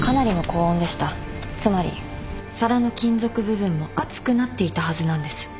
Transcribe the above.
つまり皿の金属部分も熱くなっていたはずなんです。